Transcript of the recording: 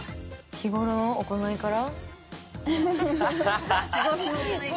日頃の行いから？